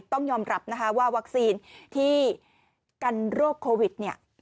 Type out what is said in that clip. ต้องยอมรับว่าวัคซีนที่กันโรคโควิด